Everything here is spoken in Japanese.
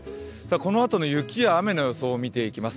このあとの雪や雨の予想を見ていきます。